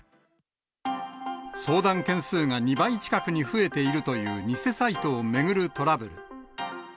相談件数が２倍近くに増えているという偽サイトを巡るトラブル。